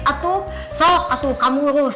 aduh sok kamu urus